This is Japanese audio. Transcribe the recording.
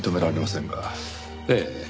ええ。